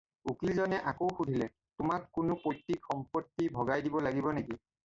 উকিল জনে আকৌ সুধিলে “তোমাক কোনো পৈতৃক সম্পত্তি ভগাই দিব লাগিব নেকি?”